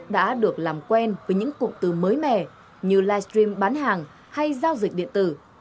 đã được làm quen với những cụm từ mới mẻ như livestream bán hàng hay giao dịch điện tử